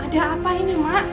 ada apa ini mak